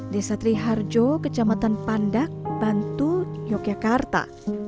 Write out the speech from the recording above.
desa triharjo kecamatan pandak bantu yogyakarta